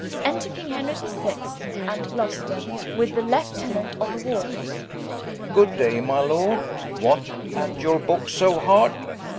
Enter Henry the sixt, and Richard, with the Lieutenant on the Walles. Rich. Good day, my Lord, what at your Booke so hard?